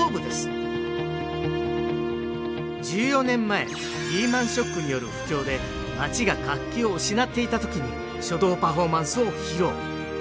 １４年前リーマンショックによる不況で町が活気を失っていた時に書道パフォーマンスを披露。